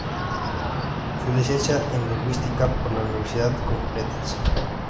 Se licencia en Lingüística por la Universidad Complutense.